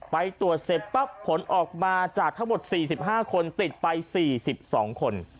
ไปตรวจเสร็จปั๊บผลออกมาจากทั้งหมดสี่สิบห้าคนติดไปสี่สิบสองคน